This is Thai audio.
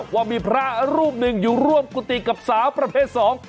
ว่ามีพระรูปหนึ่งอยู่ร่วมกุฏิกับสาวประเภทสอง